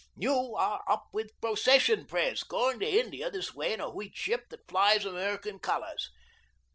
You are up with procession, Pres, going to India this way in a wheat ship that flies American colours.